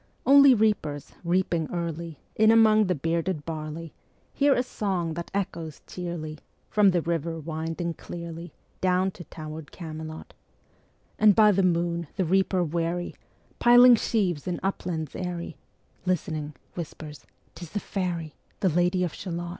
Only reapers, reaping early In among the bearded barley, Hear a song that echoes cheerly From the river winding clearly, Ā Ā Down to tower'd Camelot: And by the moon the reaper weary, Piling sheaves in uplands airy, Listening, whispers " 'Tis the fairy Ā Ā Lady of Shalott."